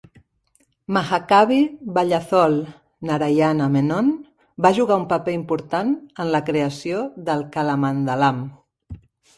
Mahakavi Vallathol Narayana Menon va jugar un paper important en la creació del Kalamandalam.